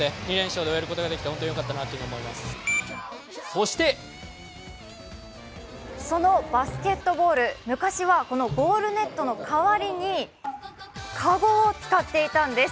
そしてそのバスケットボール、昔はこのゴールネットの代わりにカゴを使っていたんです。